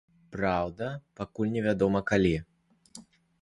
Праўда, пакуль невядома, калі.